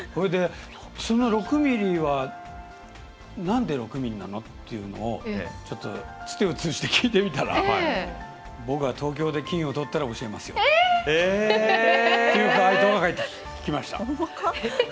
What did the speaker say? その６ｍｍはなんで、６ｍｍなのっていうのをつてを通じて聞いてみたら僕は東京で金をとったら教えますよという回答が返ってきました。